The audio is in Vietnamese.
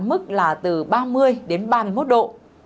mức là từ ba mươi đến ba mươi một độ